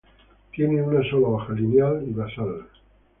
Tiene una sola hoja lineal y basal.